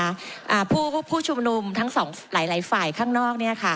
อ่าผู้ผู้ชุมนุมทั้งสองหลายหลายฝ่ายข้างนอกเนี้ยค่ะ